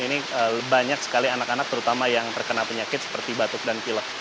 ini banyak sekali anak anak terutama yang terkena penyakit seperti batuk dan pilek